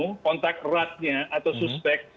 kontakt ratnya atau suspek